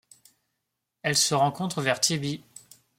Elle se rencontre vers Tibi.